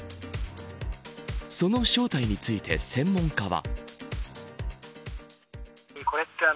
その正体について専門家は。